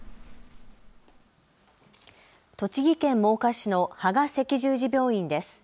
栃木県真岡市の芳賀赤十字病院です。